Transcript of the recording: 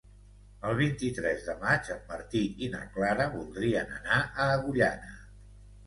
El vint-i-tres de maig en Martí i na Clara voldrien anar a Agullana.